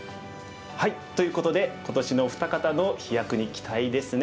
ということで今年のお二方の飛躍に期待ですね。